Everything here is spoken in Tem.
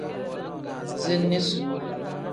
Ziini suu.